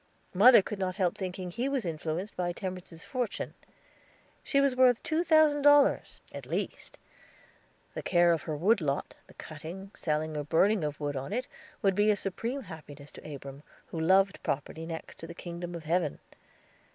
Mother could not help thinking he was influenced by Temperance's fortune. She was worth two thousand dollars, at least. The care of her wood lot, the cutting, selling, or burning the wood on it, would be a supreme happiness to Abram, who loved property next to the kingdom of heaven.